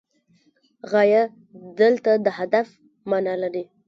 غایه دلته د هدف معنی لري.